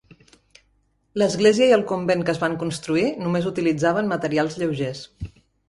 L'església i el convent que es van construir només utilitzaven materials lleugers.